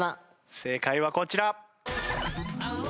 正解はこちら。